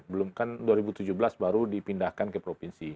belum kan dua ribu tujuh belas baru dipindahkan ke provinsi